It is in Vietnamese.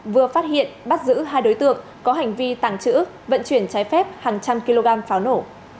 vừa phát hiện bắt giữ hai đối tượng có hành vi tàng trữ vận chuyển trái phép hàng trăm kg pháo nổ